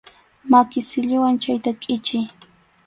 Maki silluwan chayta kʼichiy.